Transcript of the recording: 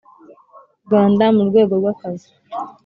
Rwanda mu rwego rw akazi